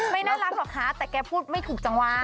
ไม่น่ารักหรอกค่ะแต่แกพูดไม่ถูกจังหวะ